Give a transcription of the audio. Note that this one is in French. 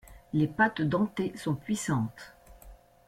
Les pattes dentées sont puissantes.